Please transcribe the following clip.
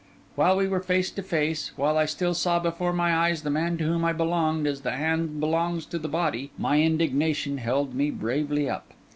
While we were face to face, while I still saw before my eyes the man to whom I belonged as the hand belongs to the body, my indignation held me bravely up.